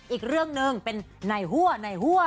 อีกเรื่องหนึ่งเป็นในหัวในหัว